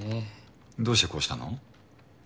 どうしてこうしたの？